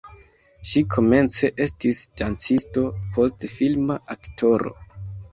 Ŝi komence estis dancisto, poste filma aktoro.